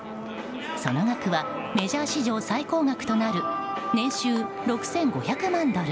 その額はメジャー史上最高額となる年収６５００万ドル